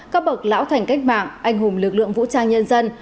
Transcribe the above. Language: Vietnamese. các bậc lão thành cách mạng anh hùng lực lượng vũ trang nhân dân